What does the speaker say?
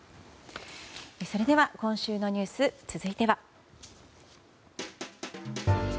それでは、今週のニュース続いては。